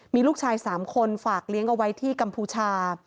มีลูกชาย๓คนฝากเลี้ยงเอาไว้ที่กัมพูชา